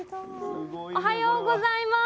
おはようございます。